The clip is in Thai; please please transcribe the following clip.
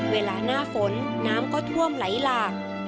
เวลาหน้าฝนน้ำก็ท่วมไหลหลาก